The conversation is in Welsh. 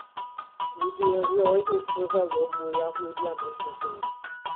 Ni bu erioed wrthryfelwr mwy aflwyddiannus na thi.